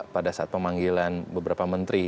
pada saat pemanggilan beberapa menteri